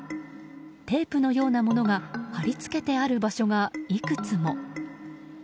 テープのようなものが貼り付けてある場所がいくつも。